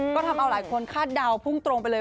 ก็ทำเอาหลายคนคาดเดาพุ่งตรงไปเลย